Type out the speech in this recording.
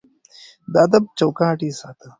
د ادب چوکاټ يې ساته.